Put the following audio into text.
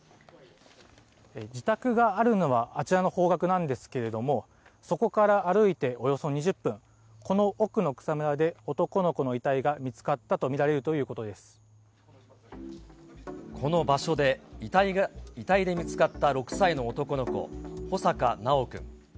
自宅があるのは、あちらの方角なんですけれども、そこから歩いておよそ２０分、この奥の草むらで、男の子の遺体が見つかったと見られるというここの場所で、遺体で見つかった６歳の男の子、穂坂修くん。